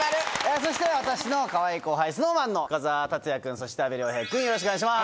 そして私のかわいい後輩ＳｎｏｗＭａｎの深澤辰哉君そして阿部亮平君よろしくお願いします。